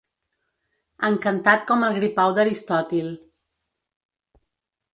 Encantat com el gripau d'Aristòtil.